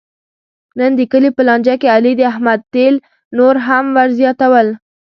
نن د کلي په لانجه کې علي د احمد تېل نور هم ور زیاتول.